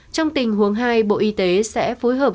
trong tình huống hai bộ y tế sẽ phối hợp